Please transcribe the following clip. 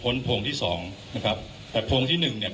คุณผู้ชมไปฟังผู้ว่ารัฐกาลจังหวัดเชียงรายแถลงตอนนี้ค่ะ